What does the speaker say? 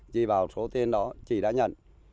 chị bảo số tiền đó chị đã nhận